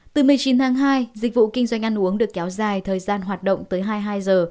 từ một mươi chín tháng hai dịch vụ kinh doanh ăn uống được kéo dài thời gian hoạt động tới hai mươi hai giờ